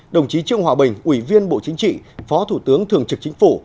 đồng chí trương hòa bình ủy viên bộ chính trị phó thủ tướng thường trực chính phủ